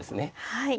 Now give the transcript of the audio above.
はい。